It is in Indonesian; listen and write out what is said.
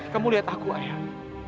kamu liat aku ayah